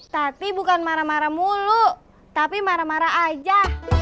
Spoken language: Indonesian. tapi bukan marah marah mulu tapi marah marah aja